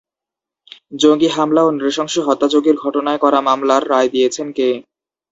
জঙ্গি হামলা ও নৃশংস হত্যাযজ্ঞের ঘটনায় করা মামলার রায় দিয়েছেন কে?